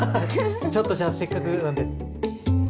ちょっとじゃあせっかくなんで。